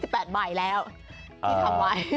ที่ทำไว้